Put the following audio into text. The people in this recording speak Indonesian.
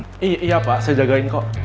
iya iya paham saya jagain kok